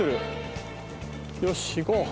よし行こう。